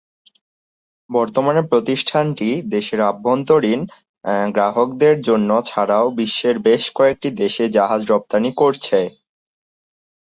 বর্তমানে প্রতিষ্ঠানটি দেশের আভ্যন্তরীণ গ্রাহকদের জন্য ছাড়াও বিশ্বের বেশ কয়েকটি দেশে জাহাজ রপ্তানি করছে।